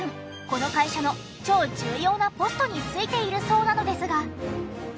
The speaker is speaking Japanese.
この会社の超重要なポストに就いているそうなのですが。